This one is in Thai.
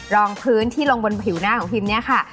รองพื้นที่ลงบนผิวหน้าของพิมเนี่ยค่ะ